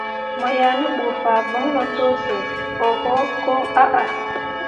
Mo yah ne bu fah voŋno to sə oho koo ahah.